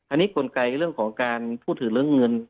อันนี้กลไกเรื่องของการพูดถึงเรื่องเงิน